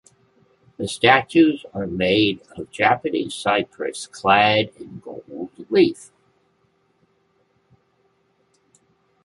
The statues are made of Japanese cypress clad in gold leaf.